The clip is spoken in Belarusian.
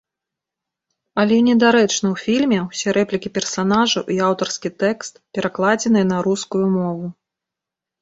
Але недарэчна ў фільме ўсе рэплікі персанажаў і аўтарскі тэкст перакладзеныя на рускую мову.